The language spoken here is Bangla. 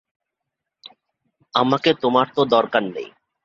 আমাকে তোমার তো দরকার নেই।